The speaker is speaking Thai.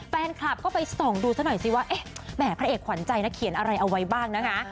แฟนคลับก็ไปส่องดูซะหน่อยสิว่าเอ๊ะแหมพระเอกขวัญใจนะเขียนอะไรเอาไว้บ้างนะคะ